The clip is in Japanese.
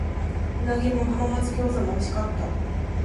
鰻も浜松餃子も美味しかった。